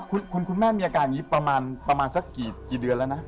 คุณแม่มีอาการอย่างนี้ประมาณสักกี่เดือนแล้วนะ